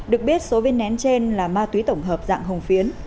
được biết số viên nén trên là ma túy tổng hợp dạng hồng phiến